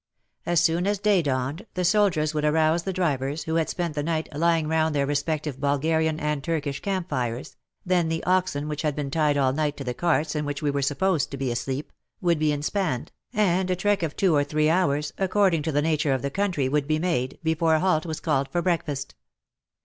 As soon as day dawned the soldiers would arouse the drivers, who had spent the night lying round their respective Bulgarian and Turkish camp fires, then the oxen which had been tied all night to the carts in which we were supposed to be asleep, would be inspanned, and a trek of two or three hours, according to the nature of the country, would be made, before a halt was called for breakfast.